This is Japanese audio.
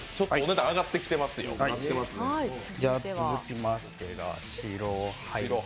続きましてが白灰。